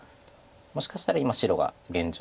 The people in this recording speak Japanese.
もしかしたら今白が現状